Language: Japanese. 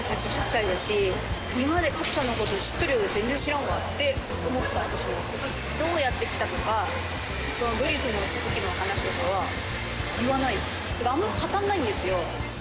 ８０歳だし今まで加トちゃんのこと知ってるようで全然知らんわって思った私もどうやってきたとかドリフの時の話とかは言わないですてかあんまり語んないんですよ